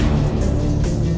dan menjaga diri kamu